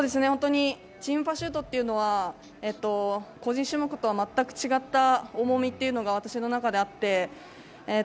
本当にチームパシュートは個人種目とは全く違った重みというのが私の中であって。